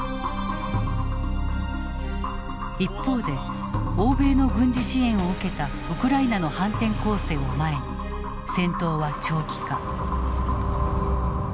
一方で欧米の軍事支援を受けたウクライナの反転攻勢を前に戦闘は長期化。